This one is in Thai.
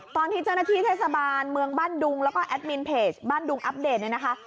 ตอนที่เจ้าหน้าที่เทศบาลเมืองบ้านดุงแล้วก็แอดมินเพจบ้านดุงอัปเดตเนี่ยนะคะ